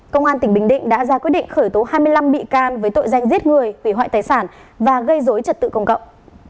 công an tỉnh bình định đã ra quyết định khởi tố hai mươi năm bị can với tội danh giết người hủy hoại tài sản và gây dối trật tự công cộng